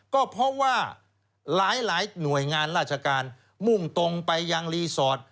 ก็เพราะว่าหลายหน่วยงานราชการมุ่งตรงไปยังรีสอร์ท